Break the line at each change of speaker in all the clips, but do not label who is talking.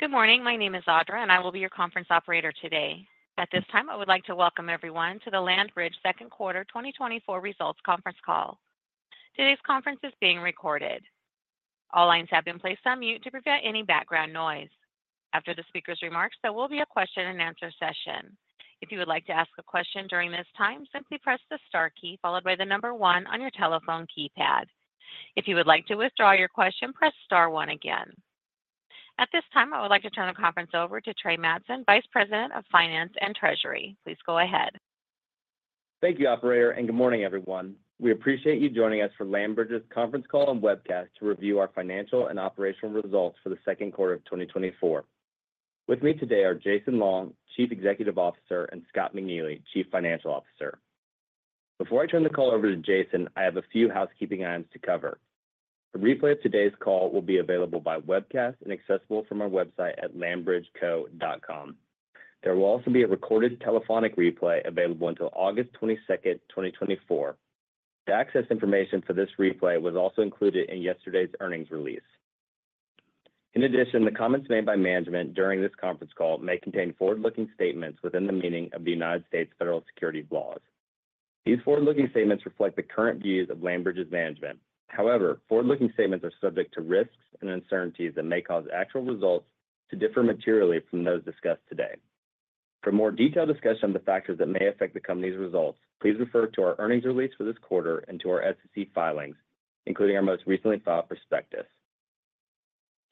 Good morning. My name is Audra, and I will be your conference operator today. At this time, I would like to welcome everyone to the LandBridge Second Quarter 2024 Results Conference Call. Today's conference is being recorded. All lines have been placed on mute to prevent any background noise. After the speakers' remarks, there will be a question-and-answer session. If you would like to ask a question during this time, simply press the star key followed by the number one on your telephone keypad. If you would like to withdraw your question, press star one again. At this time, I would like to turn the conference over to Trey Mattson, Vice President of Finance and Treasury. Please go ahead.
Thank you, operator, and good morning, everyone. We appreciate you joining us for LandBridge's conference call and webcast to review our financial and operational results for the second quarter of 2024. With me today are Jason Long, Chief Executive Officer, and Scott McNeely, Chief Financial Officer. Before I turn the call over to Jason, I have a few housekeeping items to cover. A replay of today's call will be available by webcast and accessible from our website at landbridgeco.com. There will also be a recorded telephonic replay available until August 22, 2024. The access information for this replay was also included in yesterday's earnings release. In addition, the comments made by management during this conference call may contain forward-looking statements within the meaning of the United States federal securities laws. These forward-looking statements reflect the current views of LandBridge's management. However, forward-looking statements are subject to risks and uncertainties that may cause actual results to differ materially from those discussed today. For more detailed discussion on the factors that may affect the company's results, please refer to our earnings release for this quarter and to our SEC filings, including our most recently filed prospectus.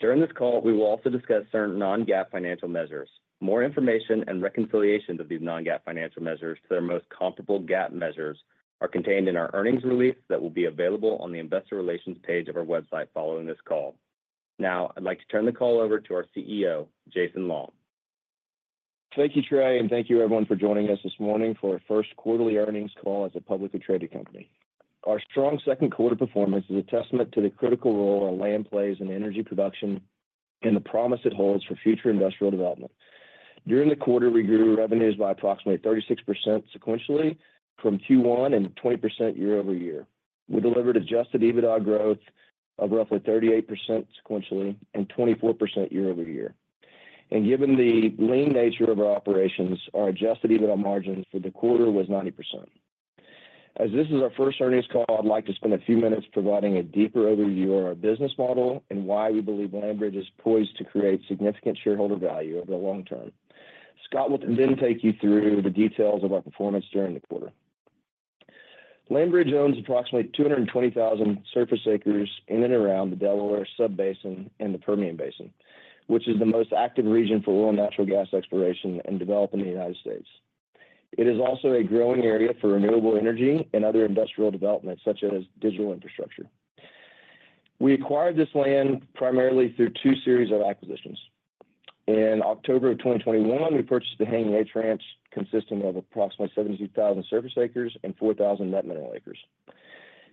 During this call, we will also discuss certain non-GAAP financial measures. More information and reconciliations of these non-GAAP financial measures to their most comparable GAAP measures are contained in our earnings release that will be available on the Investor Relations page of our website following this call. Now, I'd like to turn the call over to our CEO, Jason Long.
Thank you, Trey, and thank you, everyone, for joining us this morning for our first quarterly earnings call as a publicly traded company. Our strong second quarter performance is a testament to the critical role our land plays in energy production and the promise it holds for future industrial development. During the quarter, we grew revenues by approximately 36% sequentially from Q1 and 20% year over year. We delivered adjusted EBITDA growth of roughly 38% sequentially and 24% year over year. And given the lean nature of our operations, our adjusted EBITDA margin for the quarter was 90%. As this is our first earnings call, I'd like to spend a few minutes providing a deeper overview of our business model and why we believe LandBridge is poised to create significant shareholder value over the long term. Scott will then take you through the details of our performance during the quarter. LandBridge owns approximately 220,000 surface acres in and around the Delaware Subbasin and the Permian Basin, which is the most active region for oil and natural gas exploration and development in the United States. It is also a growing area for renewable energy and other industrial developments, such as digital infrastructure. We acquired this land primarily through two series of acquisitions. In October of 2021, we purchased the Hanging H Ranch, consisting of approximately 70,000 surface acres and 4,000 net mineral acres.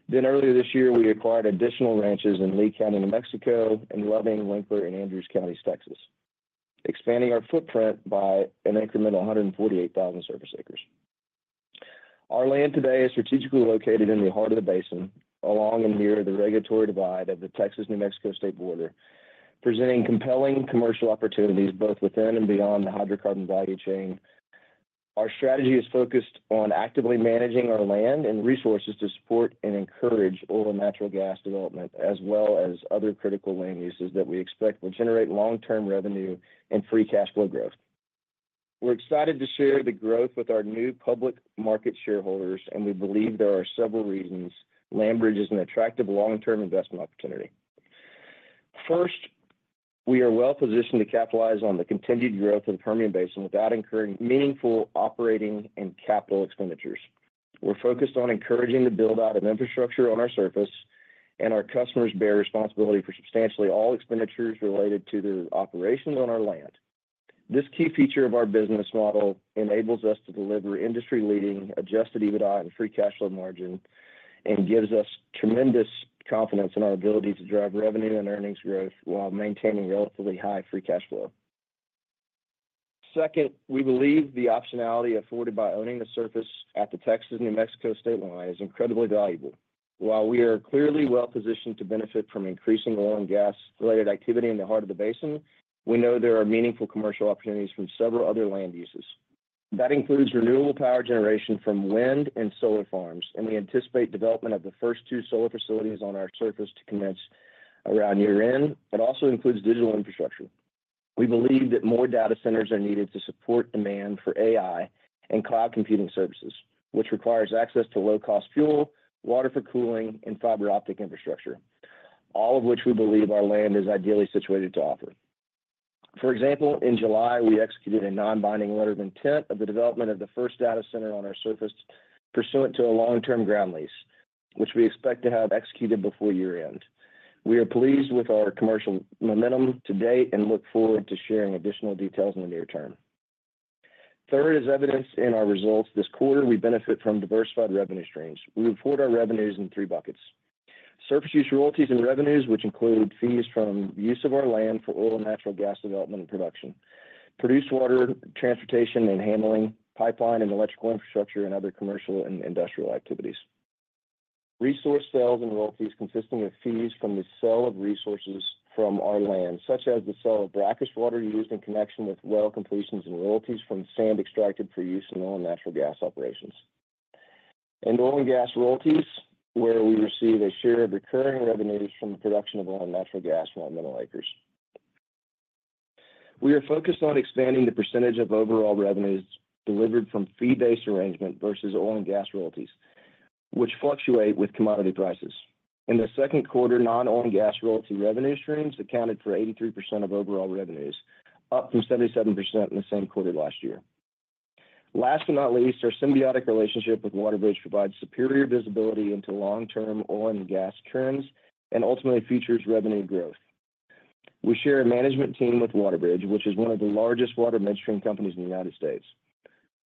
Then earlier this year, we acquired additional ranches in Lea County, New Mexico, and Loving, Winkler, and Andrews Counties, Texas, expanding our footprint by an incremental 148,000 surface acres. Our land today is strategically located in the heart of the basin, along and near the regulatory divide of the Texas-New Mexico state border, presenting compelling commercial opportunities both within and beyond the hydrocarbon value chain. Our strategy is focused on actively managing our land and resources to support and encourage oil and natural gas development, as well as other critical land uses that we expect will generate long-term revenue and free cash flow growth. We're excited to share the growth with our new public market shareholders, and we believe there are several reasons LandBridge is an attractive long-term investment opportunity. First, we are well positioned to capitalize on the continued growth of the Permian Basin without incurring meaningful operating and capital expenditures. We're focused on encouraging the build-out of infrastructure on our surface, and our customers bear responsibility for substantially all expenditures related to the operations on our land. This key feature of our business model enables us to deliver industry-leading adjusted EBITDA and free cash flow margin and gives us tremendous confidence in our ability to drive revenue and earnings growth while maintaining relatively high free cash flow. Second, we believe the optionality afforded by owning the surface at the Texas-New Mexico state line is incredibly valuable. While we are clearly well positioned to benefit from increasing oil and gas-related activity in the heart of the basin, we know there are meaningful commercial opportunities from several other land uses. That includes renewable power generation from wind and solar farms, and we anticipate development of the first two solar facilities on our surface to commence around year-end, but also includes digital infrastructure. We believe that more data centers are needed to support demand for AI and cloud computing services, which requires access to low-cost fuel, water for cooling, and fiber optic infrastructure, all of which we believe our land is ideally situated to offer. For example, in July, we executed a non-binding letter of intent for the development of the first data center on our surface pursuant to a long-term ground lease, which we expect to have executed before year-end. We are pleased with our commercial momentum to date and look forward to sharing additional details in the near term. Third, as evidenced in our results this quarter, we benefit from diversified revenue streams. We report our revenues in three buckets: surface use royalties and revenues, which include fees from use of our land for oil and natural gas development and production. Produced water, transportation and handling, pipeline and electrical infrastructure, and other commercial and industrial activities. Resource sales and royalties consisting of fees from the sale of resources from our land, such as the sale of brackish water used in connection with well completions and royalties from sand extracted for use in oil and natural gas operations. Oil and gas royalties, where we receive a share of recurring revenues from the production of oil and natural gas from our mineral acres. We are focused on expanding the percentage of overall revenues delivered from fee-based arrangement versus oil and gas royalties, which fluctuate with commodity prices. In the second quarter, non-oil and gas royalty revenue streams accounted for 83% of overall revenues, up from 77% in the same quarter last year. Last but not least, our symbiotic relationship with WaterBridge provides superior visibility into long-term oil and gas trends and ultimately features revenue growth. We share a management team with WaterBridge, which is one of the largest water midstream companies in the United States.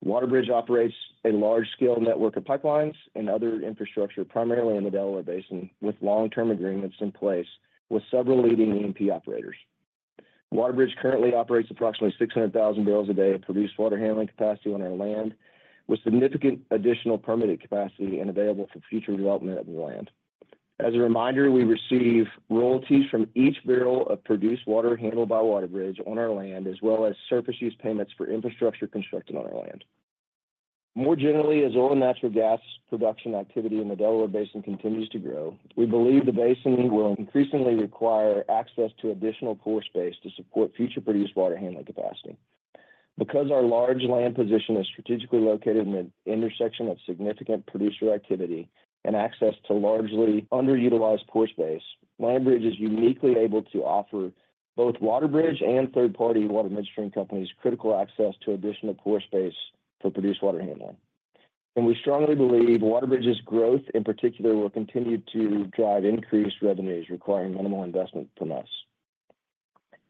WaterBridge operates a large-scale network of pipelines and other infrastructure, primarily in the Delaware Basin, with long-term agreements in place with several leading E&P operators. WaterBridge currently operates approximately 600,000 barrels a day of produced water handling capacity on our land, with significant additional permitted capacity and available for future development of the land. As a reminder, we receive royalties from each barrel of produced water handled by WaterBridge on our land, as well as surface use payments for infrastructure constructed on our land. More generally, as oil and natural gas production activity in the Delaware Basin continues to grow, we believe the basin will increasingly require access to additional pore space to support future produced water handling capacity. Because our large land position is strategically located in the intersection of significant producer activity and access to largely underutilized pore space, LandBridge is uniquely able to offer both WaterBridge and third-party water midstream companies critical access to additional pore space for produced water handling. We strongly believe WaterBridge's growth, in particular, will continue to drive increased revenues, requiring minimal investment from us.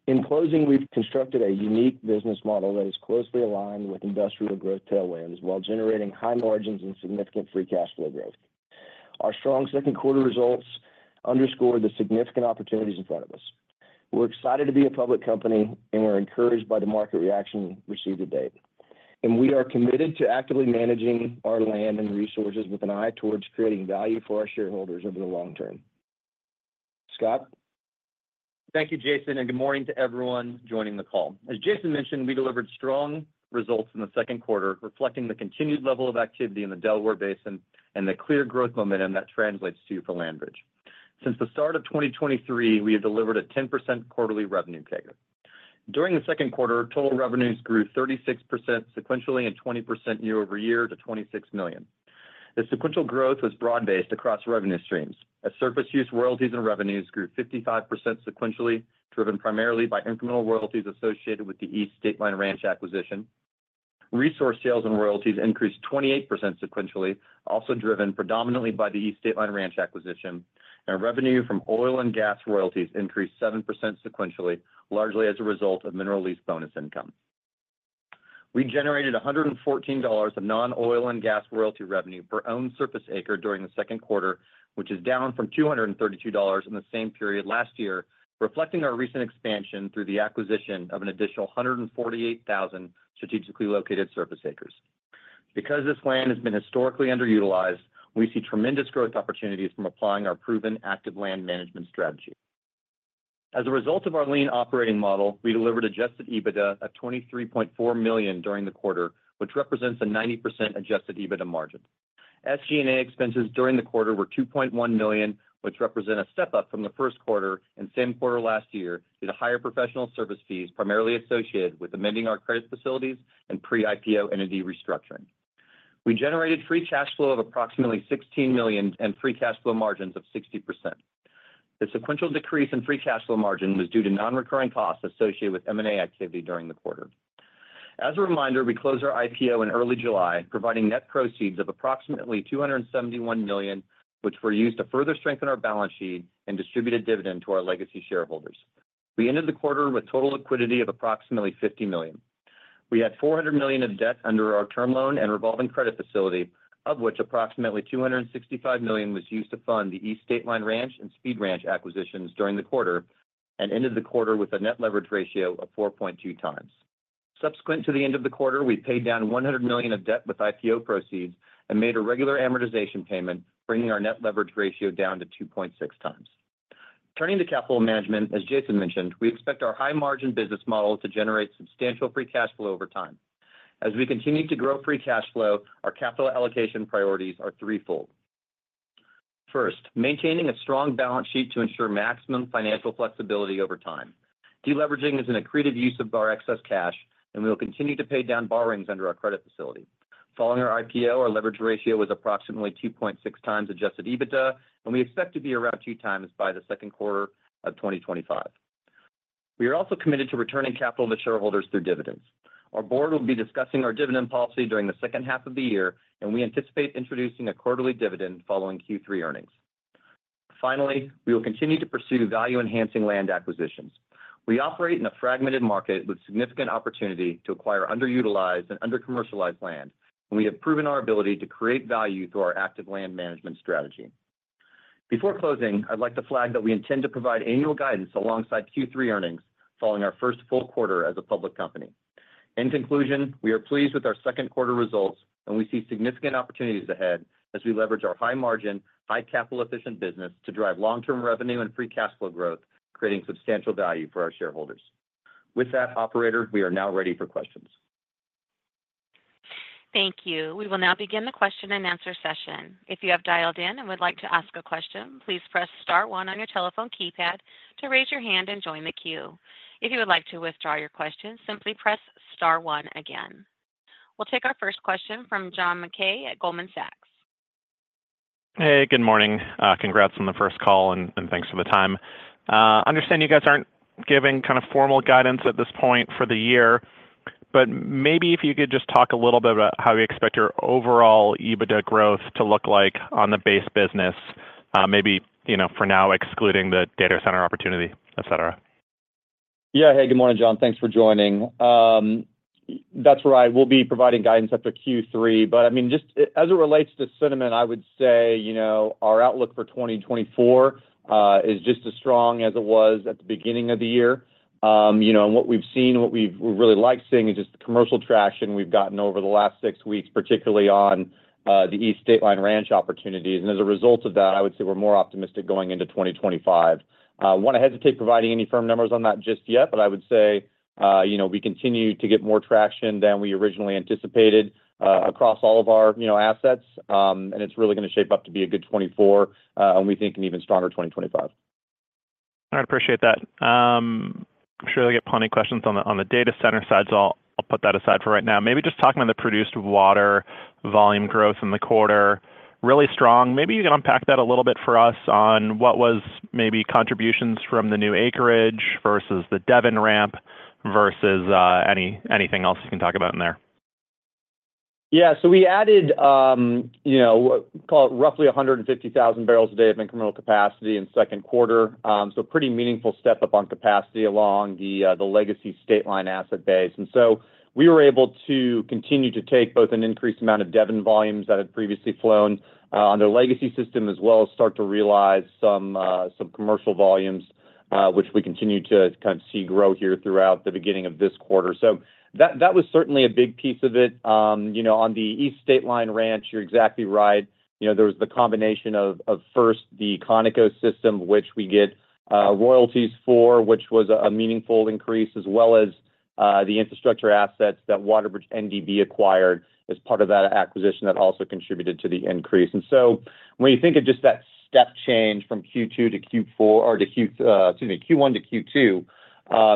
In closing, we've constructed a unique business model that is closely aligned with industrial growth tailwinds, while generating high margins and significant free cash flow growth. Our strong second quarter results underscore the significant opportunities in front of us. We're excited to be a public company, and we're encouraged by the market reaction we've received to date. We are committed to actively managing our land and resources with an eye towards creating value for our shareholders over the long term. Scott?
Thank you, Jason, and good morning to everyone joining the call. As Jason mentioned, we delivered strong results in the second quarter, reflecting the continued level of activity in the Delaware Basin and the clear growth momentum that translates to for LandBridge. Since the start of 2023, we have delivered a 10% quarterly revenue CAGR. During the second quarter, total revenues grew 36% sequentially and 20% year-over-year to $26 million. The sequential growth was broad-based across revenue streams, as surface use royalties and revenues grew 55% sequentially, driven primarily by incremental royalties associated with the East Stateline Ranch acquisition. Resource sales and royalties increased 28% sequentially, also driven predominantly by the East Stateline Ranch acquisition, and revenue from oil and gas royalties increased 7% sequentially, largely as a result of mineral lease bonus income. We generated $114 of non-oil and gas royalty revenue per owned surface acre during the second quarter, which is down from $232 in the same period last year, reflecting our recent expansion through the acquisition of an additional 148,000 strategically located surface acres. Because this land has been historically underutilized, we see tremendous growth opportunities from applying our proven active land management strategy. As a result of our lean operating model, we delivered adjusted EBITDA of $23.4 million during the quarter, which represents a 90% adjusted EBITDA margin. SG&A expenses during the quarter were $2.1 million, which represent a step up from the first quarter and same quarter last year due to higher professional service fees, primarily associated with amending our credit facilities and pre-IPO entity restructuring. We generated free cash flow of approximately $16 million and free cash flow margins of 60%. The sequential decrease in free cash flow margin was due to non-recurring costs associated with M&A activity during the quarter. As a reminder, we closed our IPO in early July, providing net proceeds of approximately $271 million, which were used to further strengthen our balance sheet and distribute a dividend to our legacy shareholders. We ended the quarter with total liquidity of approximately $50 million. We had $400 million of debt under our term loan and revolving credit facility, of which approximately $265 million was used to fund the East Stateline Ranch and Speed Ranch acquisitions during the quarter, and ended the quarter with a net leverage ratio of 4.2x. Subsequent to the end of the quarter, we paid down $100 million of debt with IPO proceeds and made a regular amortization payment, bringing our net leverage ratio down to 2.6x. Turning to capital management, as Jason mentioned, we expect our high-margin business model to generate substantial free cash flow over time. As we continue to grow free cash flow, our capital allocation priorities are threefold. First, maintaining a strong balance sheet to ensure maximum financial flexibility over time. Deleveraging is an accretive use of our excess cash, and we will continue to pay down borrowings under our credit facility. Following our IPO, our leverage ratio was approximately 2.6x adjusted EBITDA, and we expect to be around 2x by the second quarter of 2025. We are also committed to returning capital to shareholders through dividends. Our board will be discussing our dividend policy during the second half of the year, and we anticipate introducing a quarterly dividend following Q3 earnings. Finally, we will continue to pursue value-enhancing land acquisitions. We operate in a fragmented market with significant opportunity to acquire underutilized and under-commercialized land, and we have proven our ability to create value through our active land management strategy. Before closing, I'd like to flag that we intend to provide annual guidance alongside Q3 earnings, following our first full quarter as a public company. In conclusion, we are pleased with our second quarter results, and we see significant opportunities ahead as we leverage our high margin, high capital efficient business to drive long-term revenue and free cash flow growth, creating substantial value for our shareholders. With that, operator, we are now ready for questions.
Thank you. We will now begin the question and answer session. If you have dialed in and would like to ask a question, please press star one on your telephone keypad to raise your hand and join the queue. If you would like to withdraw your question, simply press star one again. We'll take our first question from John Mackay at Goldman Sachs.
Hey, good morning. Congrats on the first call, and thanks for the time. I understand you guys aren't giving kind of formal guidance at this point for the year, but maybe if you could just talk a little bit about how you expect your overall EBITDA growth to look like on the base business, maybe, you know, for now, excluding the data center opportunity, et cetera.
Yeah. Hey, good morning, John. Thanks for joining. That's right. We'll be providing guidance after Q3, but, I mean, just as it relates to sentiment, I would say, you know, our outlook for 2024 is just as strong as it was at the beginning of the year. You know, and what we've seen, we're really like seeing is just the commercial traction we've gotten over the last six weeks, particularly on the East Stateline Ranch opportunities. And as a result of that, I would say we're more optimistic going into 2025. Want to hesitate providing any firm numbers on that just yet, but I would say, you know, we continue to get more traction than we originally anticipated across all of our, you know, assets. It's really gonna shape up to be a good 2024, and we think an even stronger 2025.
I appreciate that. I'm sure I get plenty of questions on the, on the data center side, so I'll, I'll put that aside for right now. Maybe just talking about the produced water volume growth in the quarter, really strong. Maybe you can unpack that a little bit for us on what was maybe contributions from the new acreage versus the Devon ramp, versus anything else you can talk about in there.
Yeah. So we added, you know, call it roughly 150,000 bbl a day of incremental capacity in second quarter. So pretty meaningful step up on capacity along the, the legacy Stateline asset base. And so we were able to continue to take both an increased amount of Devon volumes that had previously flown on their legacy system, as well as start to realize some some commercial volumes, which we continue to kind of see grow here throughout the beginning of this quarter. So that, that was certainly a big piece of it. You know, on the East Stateline Ranch, you're exactly right. You know, there was the combination of first, the Conoco system, which we get royalties for, which was a meaningful increase, as well as the infrastructure assets that WaterBridge NDB acquired as part of that acquisition that also contributed to the increase. And so when you think of just that step change from Q2 to Q4- or to Q--excuse me, Q1 to Q2,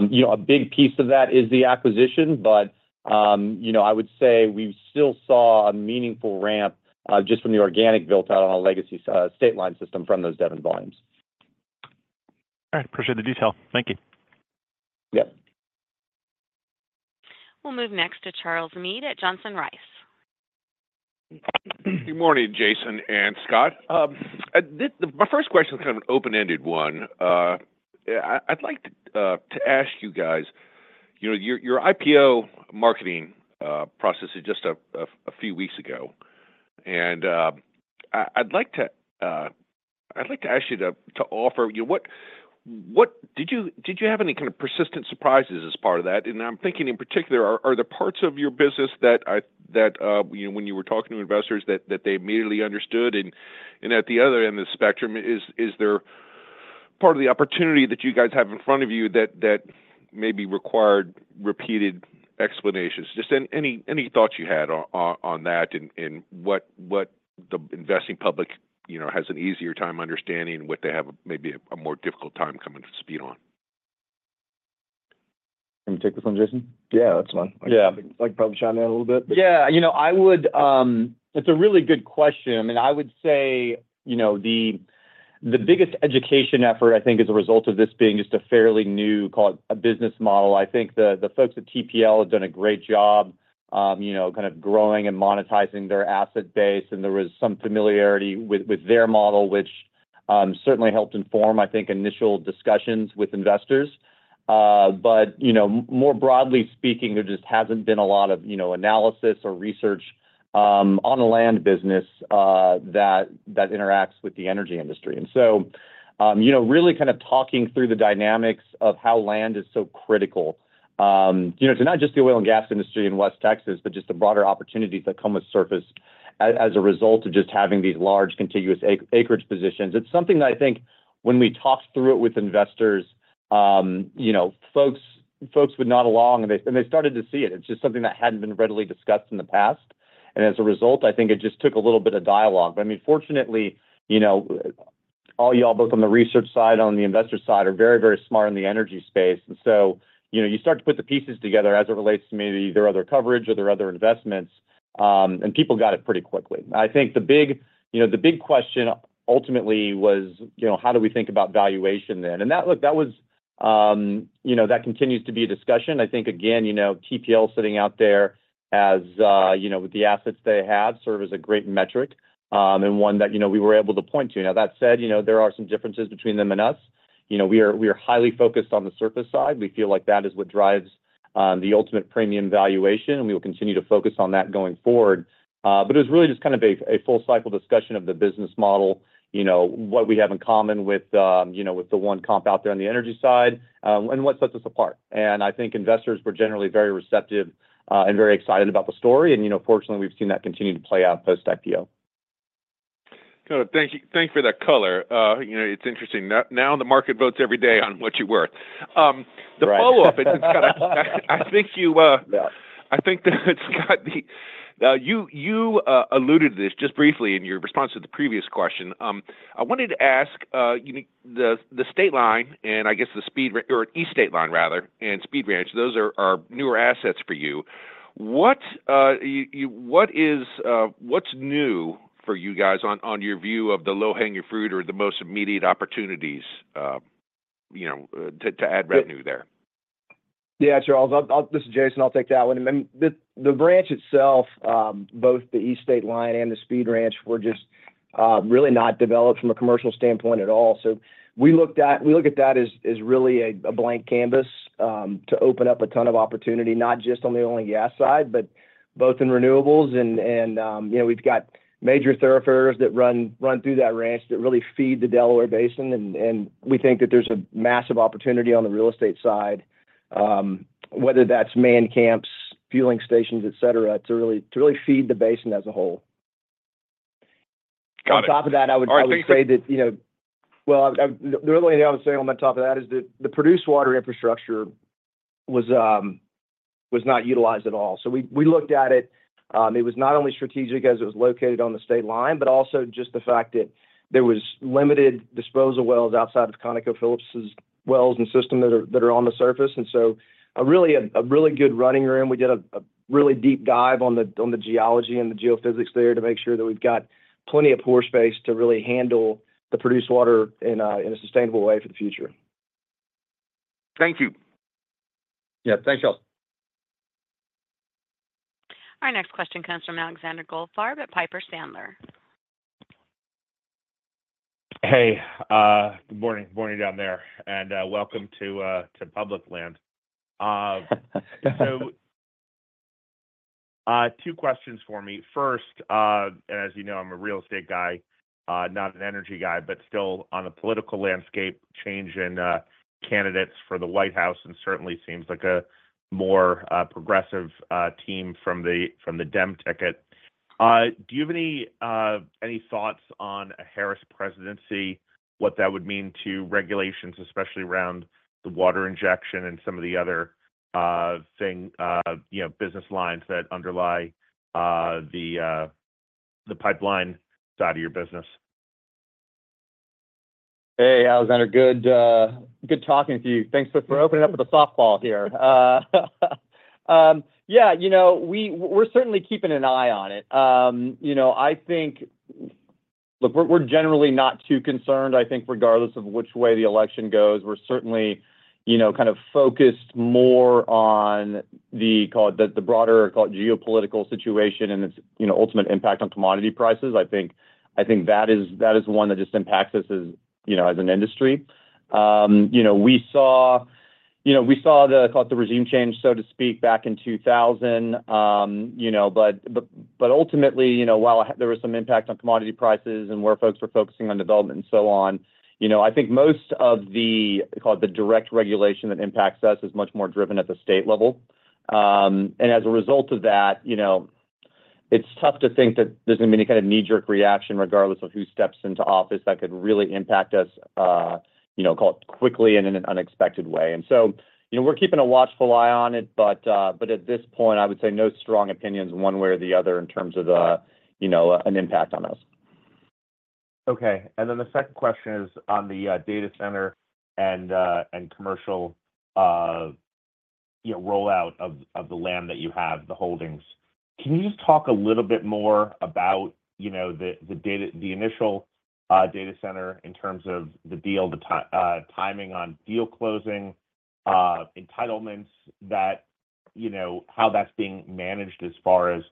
you know, a big piece of that is the acquisition, but you know, I would say we still saw a meaningful ramp just from the organic built out on our legacy Stateline system from those Devon volumes.
All right, appreciate the detail. Thank you.
Yep.
We'll move next to Charles Meade at Johnson Rice.
Good morning, Jason and Scott. My first question is kind of an open-ended one. I'd like to ask you guys, you know, your IPO marketing process is just a few weeks ago, and I'd like to ask you to offer, you know what did you have any kind of persistent surprises as part of that? And I'm thinking in particular, are there parts of your business that, you know, when you were talking to investors, that they immediately understood? And at the other end of the spectrum, is there part of the opportunity that you guys have in front of you that maybe required repeated explanations? Just any thoughts you had on that and what the investing public, you know, has an easier time understanding, what they have maybe a more difficult time coming to speed on.
Can you take this one, Jason?
Yeah, that's fine. Yeah. I can probably shine that a little bit.
Yeah, you know, I would. It's a really good question. I mean, I would say, you know, the biggest education effort, I think, as a result of this being just a fairly new, call it, a business model, I think the folks at TPL have done a great job, you know, kind of growing and monetizing their asset base, and there was some familiarity with their model, which certainly helped inform, I think, initial discussions with investors. But, you know, more broadly speaking, there just hasn't been a lot of, you know, analysis or research, on the land business, that interacts with the energy industry. And so, you know, really kind of talking through the dynamics of how land is so critical, you know, to not just the oil and gas industry in West Texas, but just the broader opportunities that come with surface as a result of just having these large, contiguous acreage positions. It's something that I think when we talked through it with investors, you know, folks, folks would nod along, and they, and they started to see it. It's just something that hadn't been readily discussed in the past. And as a result, I think it just took a little bit of dialogue. But I mean, fortunately, you know, all y'all, both on the research side and on the investor side, are very, very smart in the energy space. And so, you know, you start to put the pieces together as it relates to maybe their other coverage or their other investments, and people got it pretty quickly. I think the big, you know, the big question ultimately was, you know, how do we think about valuation then? And that, look, that was, you know, that continues to be a discussion. I think, again, you know, TPL sitting out there as, you know, with the assets they have, serve as a great metric, and one that, you know, we were able to point to. Now, that said, you know, there are some differences between them and us. You know, we are, we are highly focused on the surface side. We feel like that is what drives, the ultimate premium valuation, and we will continue to focus on that going forward. But it's really just kind of a full cycle discussion of the business model, you know, what we have in common with, you know, with the one comp out there on the energy side, and what sets us apart. And I think investors were generally very receptive, and very excited about the story, and, you know, fortunately, we've seen that continue to play out post-IPO.
Got it. Thank you, thank you for that color. You know, it's interesting, now the market votes every day on what you're worth.
Right.
The follow-up is, I think that it's got the-- alluded to this just briefly in your response to the previous question. I wanted to ask, you-- the state line, and I guess the Speed- or East Stateline, rather, and Speed Ranch, those are our newer assets for you. What, you-- what is, what's new for you guys on your view of the low-hanging fruit or the most immediate opportunities, you know, to add value there?
Yeah, Charles, I'll. This is Jason, I'll take that one. I mean, the ranch itself, both the East Stateline Ranch and the Speed Ranch, were just really not developed from a commercial standpoint at all. So we look at that as really a blank canvas to open up a ton of opportunity, not just on the oil and gas side, but both in renewables and, you know, we've got major thoroughfares that run through that ranch that really feed the Delaware Basin. And we think that there's a massive opportunity on the real estate side, whether that's man camps, fueling stations, et cetera, to really feed the basin as a whole.
Got it. All right, thank you.
On top of that, I would say that, you know—Well, I, I, the only other thing I'm gonna say on top of that is that the produced water infrastructure was not utilized at all. So we, we looked at it. It was not only strategic as it was located on the state line, but also just the fact that there was limited disposal wells outside of ConocoPhillips's wells and system that are on the surface. And so a really good running room. We did a really deep dive on the geology and the geophysics there to make sure that we've got plenty of pore space to really handle the produced water in a sustainable way for the future.
Thank you.
Yeah. Thanks, Charles.
Our next question comes from Alexander Goldfarb at Piper Sandler.
Hey, good morning. Morning down there, and, welcome to public land. So, two questions for me. First, as you know, I'm a real estate guy, not an energy guy, but still on the political landscape, change in, candidates for the White House, and certainly seems like a more, progressive, team from the, from the Dem ticket. Do you have any, any thoughts on a Harris presidency? What that would mean to regulations, especially around the water injection and some of the other, thing, you know, business lines that underlie, the, the pipeline side of your business?
Hey, Alexander, good talking to you. Thanks for, for opening up with a softball here. Yeah, you know, we're certainly keeping an eye on it. You know, I think—look, we're, we're generally not too concerned. I think regardless of which way the election goes, we're certainly, you know, kind of focused more on the, call it, the broader, call it, geopolitical situation and its, you know, ultimate impact on commodity prices. I think, I think that is, that is one that just impacts us as, you know, as an industry. You know, we saw, you know, we saw the, call it, the regime change, so to speak, back in 2000. You know, but ultimately, you know, while there was some impact on commodity prices and where folks were focusing on development and so on, you know, I think most of the, call it, the direct regulation that impacts us is much more driven at the state level. And as a result of that, you know, it's tough to think that there's gonna be any kind of knee-jerk reaction, regardless of who steps into office, that could really impact us, you know, call it, quickly and in an unexpected way. And so, you know, we're keeping a watchful eye on it, but at this point, I would say no strong opinions one way or the other in terms of the, you know, an impact on us.
Okay. And then the second question is on the data center and commercial, you know, rollout of the land that you have, the holdings. Can you just talk a little bit more about, you know, the initial data center in terms of the deal, the timing on deal closing, entitlements that, you know, how that's being managed as far as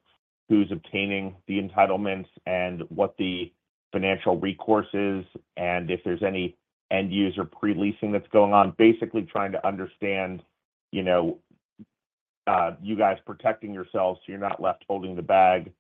who's obtaining the entitlements and what the financial recourse is, and if there's any end user pre-leasing that's going on? Basically trying to understand, you know, you guys protecting yourselves, so you're not left holding the bag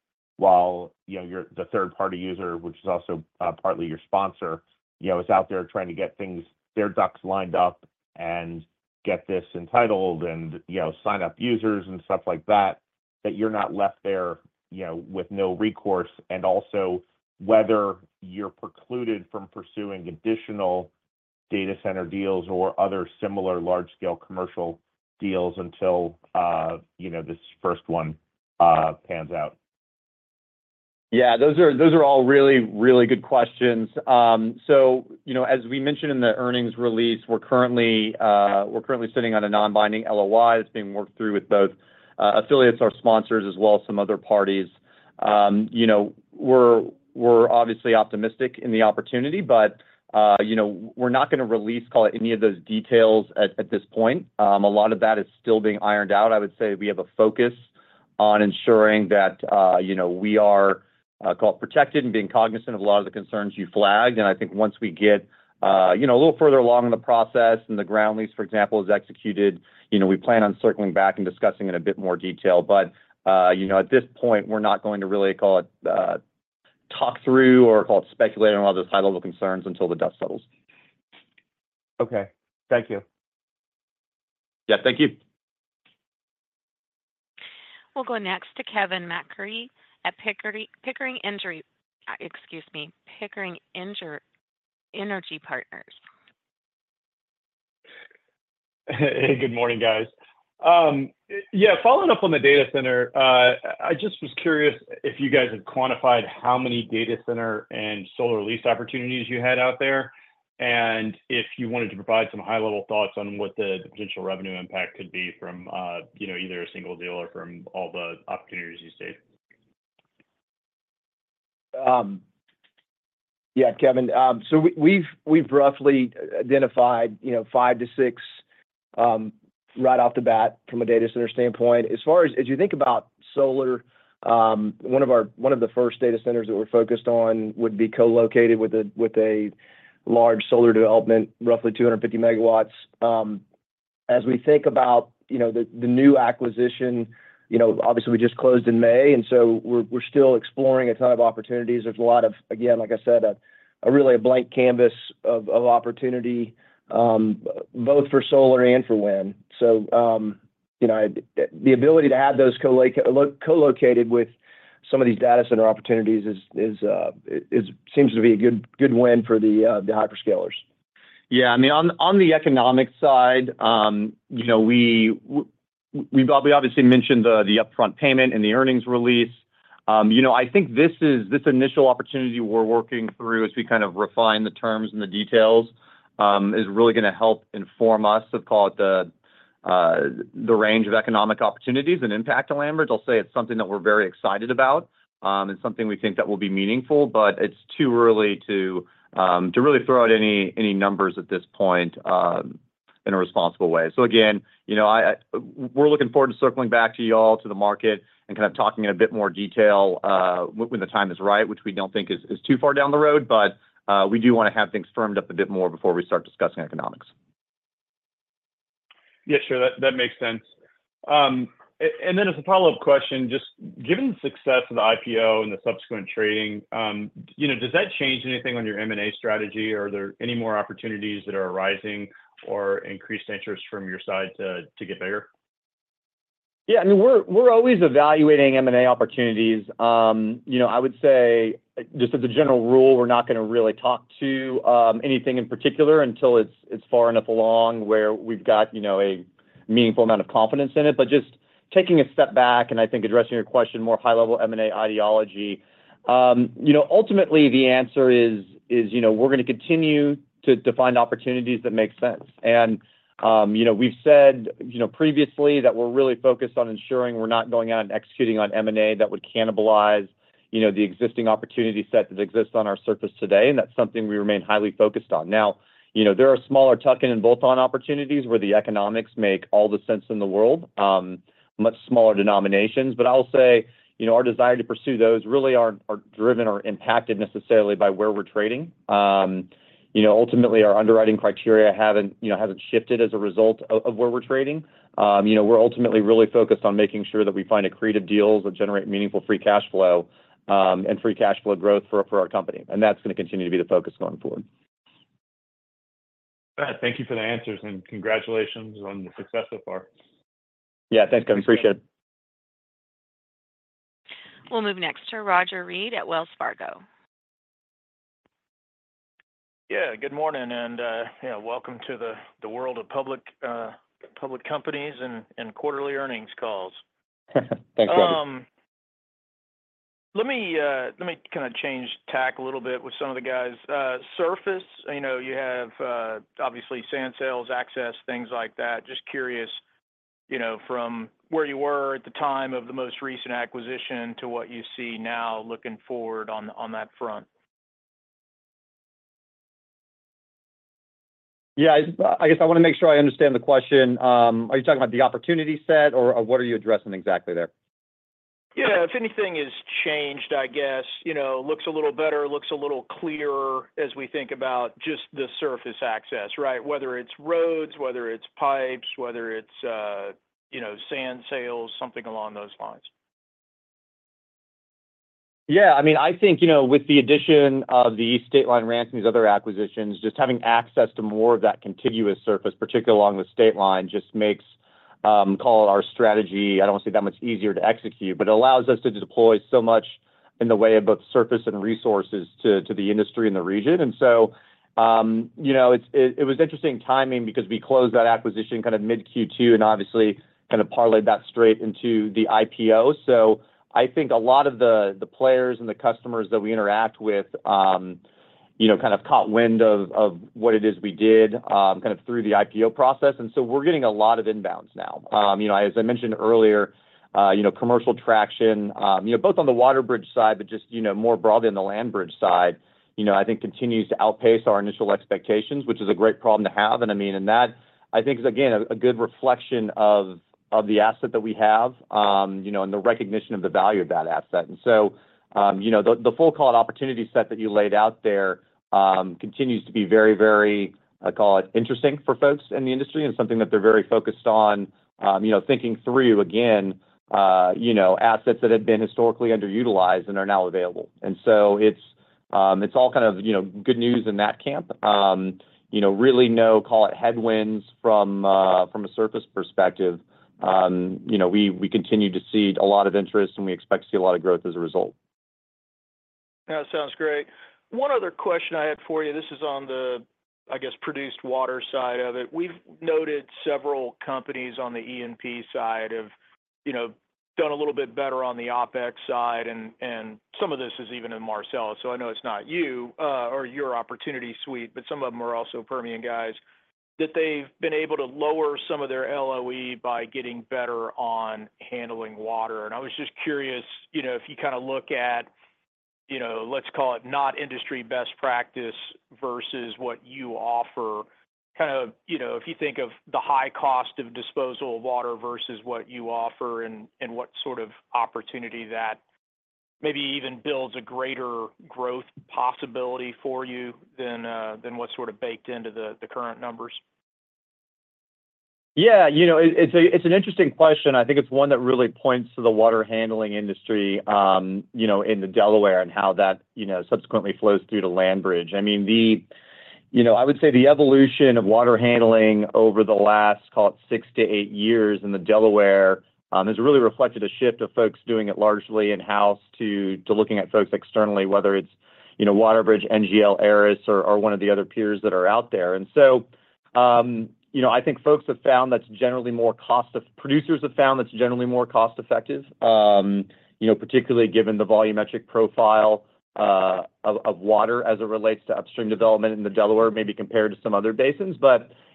while, you know, you're the third-party user, which is also, partly your sponsor, you know, is out there trying to get things, their ducks lined up and get this entitled and, you know, sign up users and stuff like that, that you're not left there, you know, with no recourse. Also, whether you're precluded from pursuing additional data center deals or other similar large-scale commercial deals until, you know, this first one pans out.
Yeah, those are all really, really good questions. So, you know, as we mentioned in the earnings release, we're currently, we're currently sitting on a non-binding LOI that's being worked through with both, affiliates, our sponsors, as well as some other parties. You know, we're, we're obviously optimistic in the opportunity, but, you know, we're not gonna release, call it, any of those details at, at this point. A lot of that is still being ironed out. I would say we have a focus on ensuring that, you know, we are, call it protected and being cognizant of a lot of the concerns you flagged. I think once we get you know a little further along in the process, and the ground lease, for example, is executed, you know, we plan on circling back and discussing in a bit more detail. But you know at this point, we're not going to really, call it, talk through or call it speculate on all those high-level concerns until the dust settles.
Okay. Thank you.
Yeah, thank you.
We'll go next to Kevin MacCurdy at Pickering Energy Partners.
Hey, good morning, guys. Yeah, following up on the data center, I just was curious if you guys have quantified how many data center and solar lease opportunities you had out there, and if you wanted to provide some high-level thoughts on what the potential revenue impact could be from, you know, either a single deal or from all the opportunities you stated.
Yeah, Kevin, so we've roughly identified, you know, five to six right off the bat from a data center standpoint. As far as you think about solar, one of the first data centers that we're focused on would be co-located with a large solar development, roughly 250 MW. As we think about, you know, the new acquisition, you know, obviously, we just closed in May, and so we're still exploring a ton of opportunities. There's a lot of, again, like I said, a really blank canvas of opportunity, both for solar and for wind. You know, the ability to have those co-located with some of these data center opportunities seems to be a good win for the hyperscalers.
Yeah, I mean, on the economic side, you know, we obviously mentioned the upfront payment in the earnings release. You know, I think this is—this initial opportunity we're working through as we kind of refine the terms and the details is really gonna help inform us of, call it, the range of economic opportunities and impact to LandBridge. I'll say it's something that we're very excited about, and something we think that will be meaningful, but it's too early to really throw out any numbers at this point, in a responsible way. So again, you know, we're looking forward to circling back to you all, to the market, and kind of talking in a bit more detail, when the time is right, which we don't think is too far down the road. But, we do wanna have things firmed up a bit more before we start discussing economics.
Yeah, sure. That, that makes sense. And then as a follow-up question, just given the success of the IPO and the subsequent trading, you know, does that change anything on your M&A strategy, or are there any more opportunities that are arising or increased interest from your side to, to get bigger?
Yeah, I mean, we're always evaluating M&A opportunities. You know, I would say, just as a general rule, we're not gonna really talk to anything in particular until it's far enough along where we've got, you know, a meaningful amount of confidence in it. But just taking a step back, and I think addressing your question, more high-level M&A ideology, you know, ultimately the answer is, you know, we're gonna continue to find opportunities that make sense. And, you know, we've said, you know, previously that we're really focused on ensuring we're not going out and executing on M&A that would cannibalize, you know, the existing opportunity set that exists on our surface today, and that's something we remain highly focused on. Now, you know, there are smaller tuck-in and bolt-on opportunities where the economics make all the sense in the world, much smaller denominations. But I'll say, you know, our desire to pursue those really aren't, are driven or impacted necessarily by where we're trading. You know, ultimately, our underwriting criteria haven't, you know, hasn't shifted as a result of where we're trading. You know, we're ultimately really focused on making sure that we find accretive deals that generate meaningful free cash flow, and free cash flow growth for our, for our company, and that's gonna continue to be the focus going forward.
All right. Thank you for the answers, and congratulations on the success so far.
Yeah. Thanks, Kevin. Appreciate it.
We'll move next to Roger Read at Wells Fargo.
Yeah, good morning, and yeah, welcome to the world of public companies and quarterly earnings calls.
Thanks, Roger.
Let me kind of change tack a little bit with some of the guys. Surface, you know, you have obviously sand sales, access, things like that. Just curious, you know, from where you were at the time of the most recent acquisition to what you see now looking forward on that front.
Yeah, I just-- I guess I wanna make sure I understand the question. Are you talking about the opportunity set, or, or what are you addressing exactly there?
Yeah, if anything is changed, I guess, you know, looks a little better, looks a little clearer as we think about just the surface access, right? Whether it's roads, whether it's pipes, whether it's, you know, sand sales, something along those lines.
Yeah, I mean, I think, you know, with the addition of the Stateline Ranch and these other acquisitions, just having access to more of that contiguous surface, particularly along the State Line, just makes, call it our strategy, I don't want to say that much easier to execute, but it allows us to deploy so much in the way of both surface and resources to the industry and the region. And so, you know, it was interesting timing because we closed that acquisition kind of mid-Q2, and obviously, kind of parlayed that straight into the IPO. So I think a lot of the players and the customers that we interact with, you know, kind of caught wind of what it is we did, kind of through the IPO process, and so we're getting a lot of inbounds now. You know, as I mentioned earlier, you know, commercial traction, you know, both on the WaterBridge side, but just, you know, more broadly on the LandBridge side, you know, I think continues to outpace our initial expectations, which is a great problem to have. And I mean, I think it's, again, a good reflection of the asset that we have, you know, and the recognition of the value of that asset. And so, you know, the full call opportunity set that you laid out there, continues to be very, very, I call it, interesting for folks in the industry, and something that they're very focused on, you know, thinking through, again, you know, assets that have been historically underutilized and are now available. And so it's all kind of, you know, good news in that camp. You know, really no, call it headwinds from a surface perspective. You know, we continue to see a lot of interest, and we expect to see a lot of growth as a result.
Yeah, sounds great. One other question I had for you, this is on the, I guess, produced water side of it. We've noted several companies on the E&P side have, you know, done a little bit better on the OpEx side, and some of this is even in Marcellus, so I know it's not you or your opportunity suite, but some of them are also Permian guys, that they've been able to lower some of their LOE by getting better on handling water. I was just curious, you know, if you kinda look at, you know, let's call it, not industry best practice versus what you offer, kind of, you know, if you think of the high cost of disposal of water versus what you offer and, and what sort of opportunity that maybe even builds a greater growth possibility for you than, than what's sort of baked into the, the current numbers.
Yeah, you know, it's an interesting question. I think it's one that really points to the water handling industry, you know, in the Delaware and how that, you know, subsequently flows through to LandBridge. I mean, you know, I would say the evolution of water handling over the last, call it, six-eight years in the Delaware, has really reflected a shift of folks doing it largely in-house to, to looking at folks externally, whether it's, you know, WaterBridge, NGL, Aris, or, or one of the other peers that are out there. And so, you know, I think folks have found that's generally more cost-- producers have found that's generally more cost-effective, you know, particularly given the volumetric profile, of, of water as it relates to upstream development in the Delaware, maybe compared to some other basins.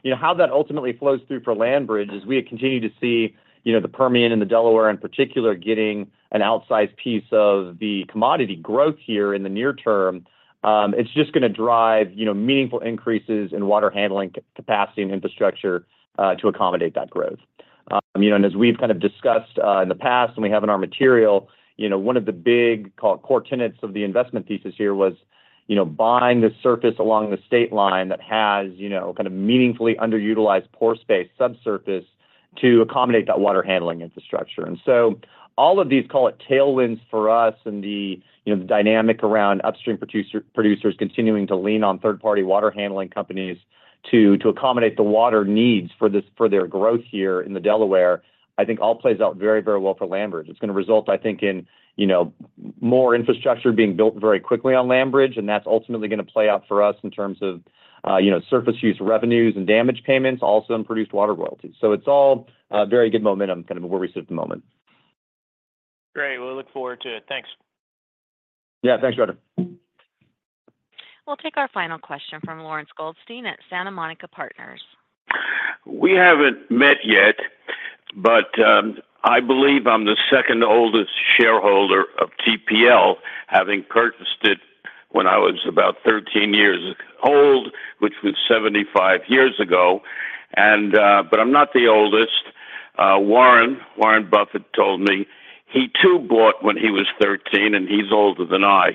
You know, how that ultimately flows through for LandBridge is we continue to see, you know, the Permian and the Delaware, in particular, getting an outsized piece of the commodity growth here in the near term. It's just gonna drive, you know, meaningful increases in water handling capacity and infrastructure to accommodate that growth. You know, and as we've kind of discussed in the past, and we have in our material, you know, one of the big, call it, core tenets of the investment thesis here was, you know, buying this surface along the state line that has, you know, kind of meaningfully underutilized pore space subsurface to accommodate that water handling infrastructure. And so all of these, call it, tailwinds for us and the, you know, the dynamic around upstream producers continuing to lean on third-party water handling companies to accommodate the water needs for their growth here in the Delaware, I think all plays out very, very well for LandBridge. It's gonna result, I think, in, you know, more infrastructure being built very quickly on LandBridge, and that's ultimately gonna play out for us in terms of, you know, surface use revenues and damage payments, also in produced water royalties. So it's all very good momentum, kind of where we sit at the moment.
Great. We'll look forward to it. Thanks.
Yeah. Thanks, Trevor.
We'll take our final question from Lawrence Goldstein at Santa Monica Partners.
We haven't met yet, but I believe I'm the second oldest shareholder of TPL, having purchased it when I was about 13 years old, which was 75 years ago. But I'm not the oldest. Warren, Warren Buffett told me, he too, bought when he was 13, and he's older than I.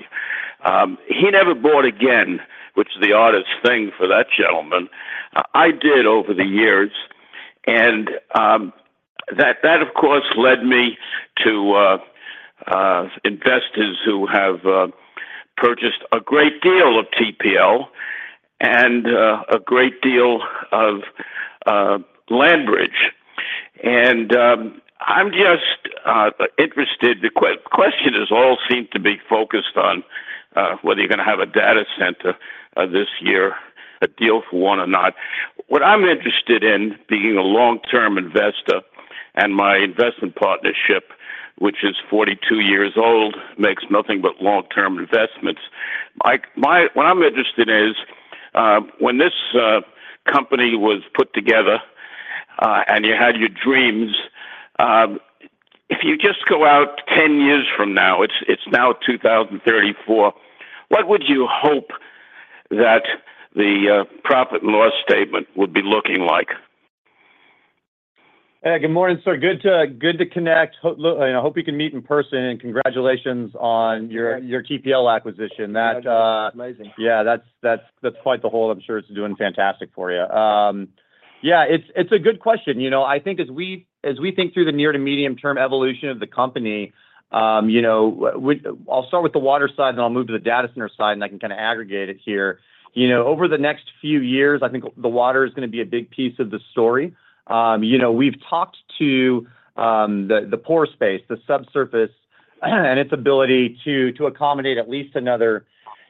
He never bought again, which is the oddest thing for that gentleman. I did over the years, and that, of course, led me to investors who have purchased a great deal of TPL and a great deal of LandBridge. I'm just interested. The question is, all seem to be focused on whether you're gonna have a data center this year, a deal for one or not. What I'm interested in, being a long-term investor, and my investment partnership, which is 42 years old, makes nothing but long-term investments. Like, my-- what I'm interested in is, when this company was put together, and you had your dreams, if you just go out 10 years from now, it's, it's now 2034, what would you hope that the profit and loss statement would be looking like?
Hey, good morning, sir. Good to, good to connect. I hope we can meet in person, and congratulations on your TPL acquisition. Yeah, that's quite the haul. I'm sure it's doing fantastic for you. Yeah, it's a good question. You know, I think as we think through the near to medium-term evolution of the company, you know, I'll start with the water side, and I'll move to the data center side, and I can kinda aggregate it here. You know, over the next few years, I think the water is gonna be a big piece of the story. You know, we've talked to the pore space, the subsurface, and its ability to accommodate at least another,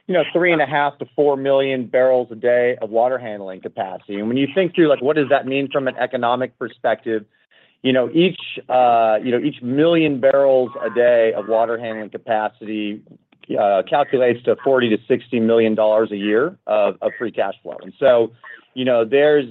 you know, 3.5 MMbpd-4 MMbpd of water handling capacity. When you think through, like, what does that mean from an economic perspective, you know, each, you know, each million barrels a day of water handling capacity calculates to $40 million-$60 million a year of free cash flow. So, you know, there's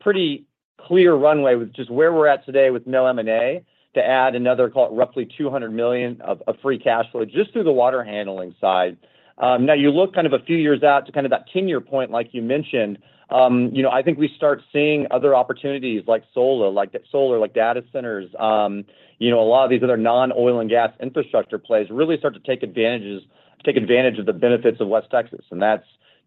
pretty clear runway with just where we're at today with no M&A, to add another, call it, roughly $200 million of free cash flow just through the water handling side. Now you look kind of a few years out to kind of that 10-year point, like you mentioned, you know, I think we start seeing other opportunities like solar, like solar, like data centers, you know, a lot of these other non-oil and gas infrastructure plays really start to take advantage of the benefits of West Texas, and that's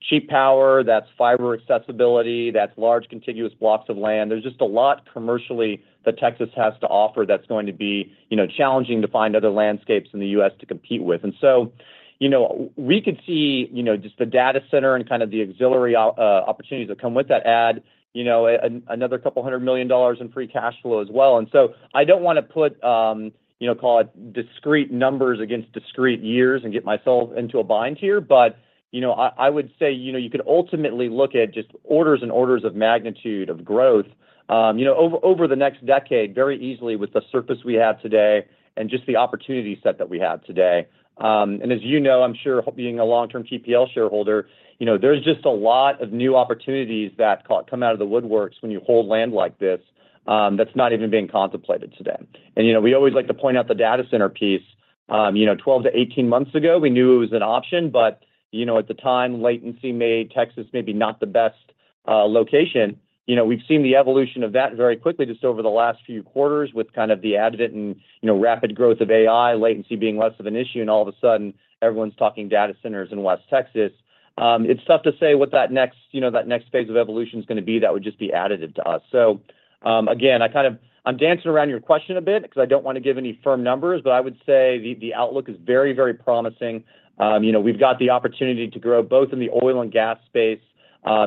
cheap power, that's fiber accessibility, that's large, contiguous blocks of land. There's just a lot commercially that Texas has to offer that's going to be, you know, challenging to find other landscapes in the U.S. to compete with. And so, you know, we could see, you know, just the data center and kind of the auxiliary opportunities that come with that add, you know, another $200 million in free cash flow as well. And so I don't wanna put, you know, call it discrete numbers against discrete years and get myself into a bind here. But, you know, I would say, you know, you could ultimately look at just orders and orders of magnitude of growth, you know, over, over the next decade, very easily with the surface we have today and just the opportunity set that we have today. And as you know, I'm sure, being a long-term TPL shareholder, you know, there's just a lot of new opportunities that, call it, come out of the woodworks when you hold land like this, that's not even being contemplated today. And, you know, we always like to point out the data center piece. You know, 12-18 months ago, we knew it was an option, but, you know, at the time, latency made Texas maybe not the best, location. You know, we've seen the evolution of that very quickly just over the last few quarters with kind of the advent and, you know, rapid growth of AI, latency being less of an issue, and all of a sudden, everyone's talking data centers in West Texas. It's tough to say what that next, you know, that next phase of evolution is gonna be. That would just be additive to us. So, again, I kind of--I'm dancing around your question a bit because I don't wanna give any firm numbers, but I would say the, the outlook is very, very promising. you know, we've got the opportunity to grow both in the oil and gas space,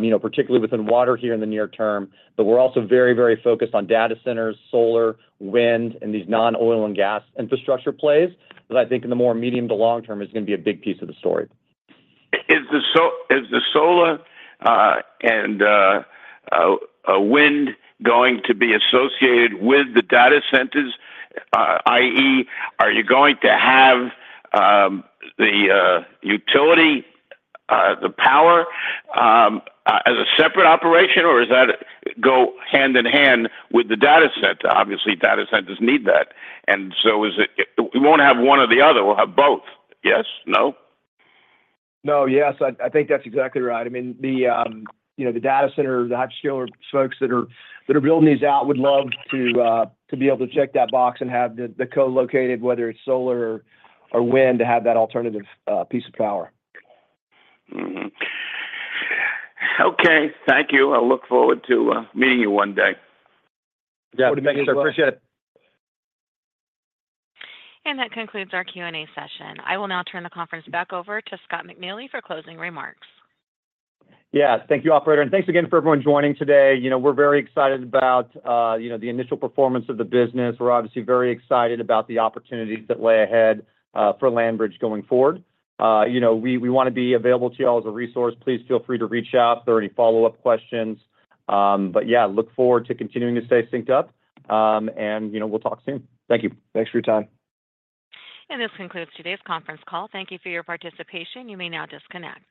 you know, particularly within water here in the near term. But we're also very, very focused on data centers, solar, wind, and these non-oil and gas infrastructure plays that I think in the more medium to long term is gonna be a big piece of the story.
Is the solar and wind going to be associated with the data centers? i.e., are you going to have the utility, the power as a separate operation, or does that go hand-in-hand with the data center? Obviously, data centers need that, and so is it we won't have one or the other, we'll have both. Yes? No?
No, yes, I think that's exactly right. I mean, you know, the data center, the large-scale folks that are building these out would love to be able to check that box and have the co-located, whether it's solar or wind, to have that alternative piece of power.
Okay, thank you. I look forward to meeting you one day.
Yeah. Appreciate it.
That concludes our Q&A session. I will now turn the conference back over to Scott McNeely for closing remarks.
Yes. Thank you, operator, and thanks again for everyone joining today. You know, we're very excited about, you know, the initial performance of the business. We're obviously very excited about the opportunities that lay ahead, for LandBridge going forward. You know, we wanna be available to you all as a resource. Please feel free to reach out if there are any follow-up questions. But yeah, look forward to continuing to stay synced up, and, you know, we'll talk soon. Thank you.
Thanks for your time.
This concludes today's conference call. Thank you for your participation. You may now disconnect.